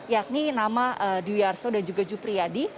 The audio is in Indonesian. yakni nama dewi arso dan juga dewi jupriyadi